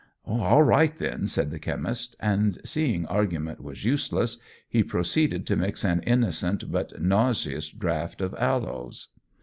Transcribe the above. "All right, then," said the chemist; and, seeing argument was useless, he proceeded to mix an innocent but nauseous draught of aloes.